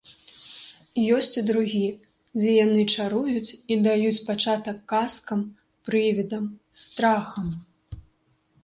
Ёсць і другі, дзе яны чаруюць і даюць пачатак казкам, прывідам, страхам.